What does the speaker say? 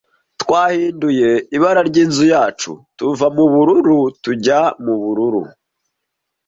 Twahinduye ibara ryinzu yacu tuva mubururu tujya mubururu.